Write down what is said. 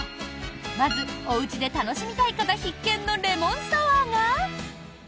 まずおうちで楽しみたい方必見のレモンサワーが。